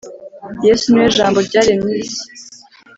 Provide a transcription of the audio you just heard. Yesu niwe jambo ryaremye iyisi